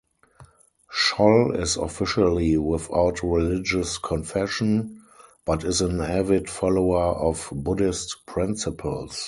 Scholl is officially without religious confession, but is an avid follower of Buddhist principles.